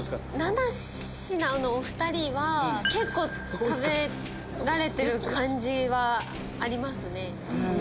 ７品のお２人は結構食べられてる感じはありますね。